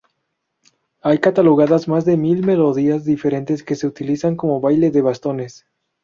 Hay catalogadas más de mil melodías diferentes que se utilizan como baile de bastones.